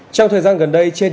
cảm ơn các bạn đã theo dõi